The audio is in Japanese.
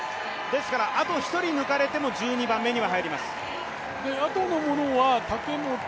あと１人抜かれても１２番目には入ります。